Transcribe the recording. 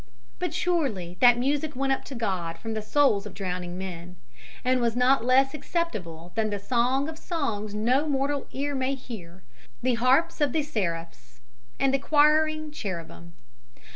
But surely that music went up to God from the souls of drowning men, and was not less acceptable than the song of songs no mortal ear may hear, the harps of the seraphs and the choiring cherubim.